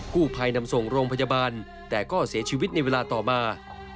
ผู้ภัยนำส่งโรงพยาบาลแต่ก็เสียชีวิตในเวลาต่อมา